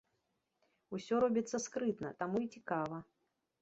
Усё робіцца скрытна, таму і цікава.